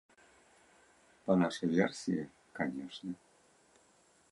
Па нашай версіі, канешне.